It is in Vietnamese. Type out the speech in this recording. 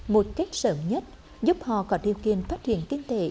một cách sớm nhất giúp họ có điều kiện phát triển kinh tế